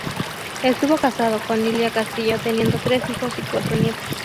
Estuvo casado con Lilia Castillo, teniendo tres hijos y cuatro nietos.